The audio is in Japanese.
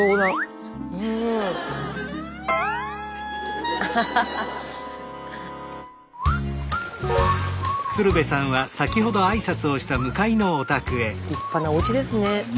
スタジオ立派なおうちですね。